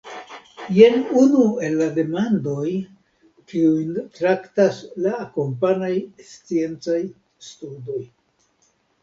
Jen unu el la demandoj, kiujn traktas la akompanaj sciencaj studoj.